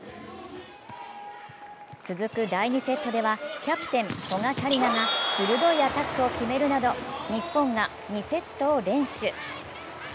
続く第２セットではキャプテン古賀紗理那が鋭いアタックを決めるなど日本が２セットを連取。